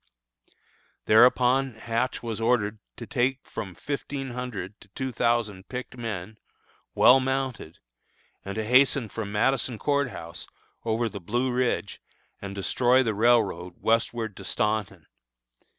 Thereupon Hatch was ordered to take from fifteen hundred to two thousand picked men, well mounted, and to hasten from Madison Court House, over the Blue Ridge, and destroy the railroad westward to Staunton.